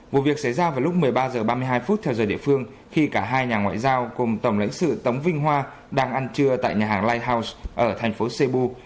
vụ việc xảy ra vào lúc một mươi ba h ba mươi hai phút theo giờ địa phương khi cả hai nhà ngoại giao cùng tổng lãnh sự tống vinh hoa đang ăn trưa tại nhà hàng livehows ở thành phố sebu